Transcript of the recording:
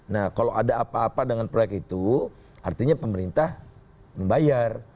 nah kalau ada apa apa dengan proyek itu artinya pemerintah membayar